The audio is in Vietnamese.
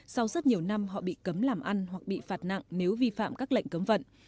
sau rất nhiều năm họ bị cấm làm ăn hoặc bị phạt nặng nếu vi phạm các lệnh cấm vận